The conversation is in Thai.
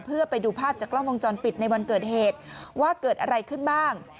เพื่อไปดูภาพจากกล้องวงจรปิดในวันเกิดเหตุว่าเกิดอะไรขึ้นบ้าง